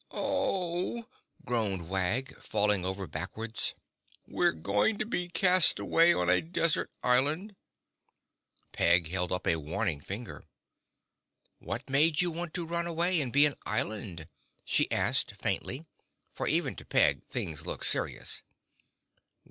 "Oh!" groaned Wag, falling over backwards. "We're going to be cast away on a desert island." Peg held up a warning finger. "What made you want to run away and be an island?" she asked faintly for, even to Peg, things looked serious.